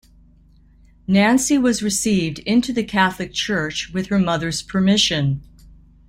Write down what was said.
Nancy was received into the Catholic Church with her mother's permission.